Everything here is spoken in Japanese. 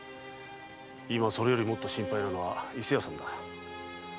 今それよりもっと心配なのは伊勢屋さんだ。